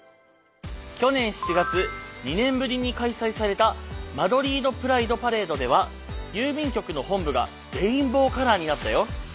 去年７月２年ぶりに開催されたマドリード・プライド・パレードでは郵便局の本部がレインボーカラーになったよ。